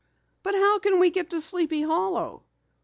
"But how can we get to Sleepy Hollow?"